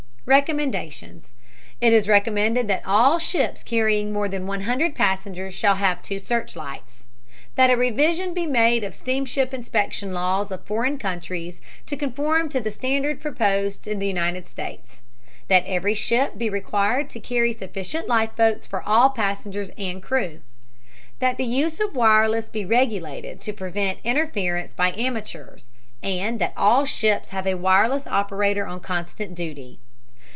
RECOMMENDATIONS. It is recommended that all ships carrying more than 100 passengers shall have two searchlights. That a revision be made of steamship inspection laws of foreign countries to conform to the standard proposed in the United States. That every ship be required to carry sufficient life boats for all passengers and crew. That the use of wireless be regulated to prevent interference by amateurs, and that all ships have a wireless operator on constant duty.